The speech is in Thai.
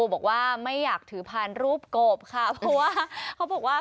บอกว่าไม่อยากถือผ่านรูปกบค่ะเพราะว่าเขาบอกว่า